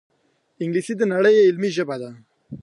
انګلیسي د نړۍ علمي ژبه ده